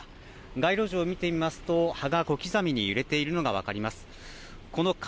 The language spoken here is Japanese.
街路樹を見てみますと葉が小刻みに揺れているのが分かります。